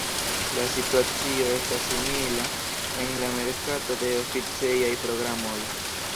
La situacio estas simila en la merkato de oficejaj programoj.